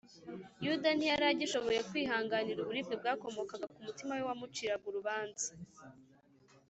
yuda ntiyari agishoboye kwihanganira uburibwe bwakomokaga ku mutima we wamuciraga urubanza